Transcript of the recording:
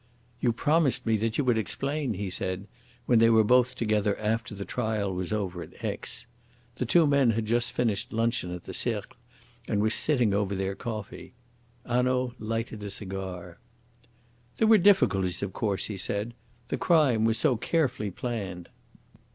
"You promised me that you would explain," he said, when they were both together after the trial was over at Aix. The two men had just finished luncheon at the Cercle and were sitting over their coffee. Hanaud lighted a cigar. "There were difficulties, of course," he said; "the crime was so carefully planned.